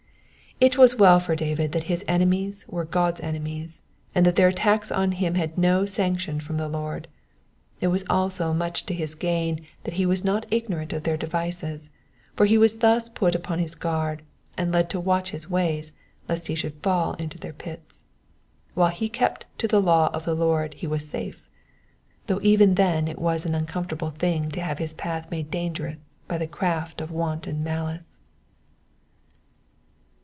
It was well for David that his enemies were God's enemies, and that their attacks upon him had no sanction from the Lord. It was also much to his gain that he was not ignorant of their devices, for he was thus put upon his rrd, and led to watch his ways lest he should fall into their pits. While kept to the law of the Lord he was safe, though even then it was an uncomtortable thing to have his path made dangerous by the craft of wanton malice.